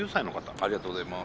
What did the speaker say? ありがとうございます。